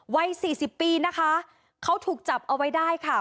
วัยสี่สิบปีนะคะเขาถูกจับเอาไว้ได้ค่ะ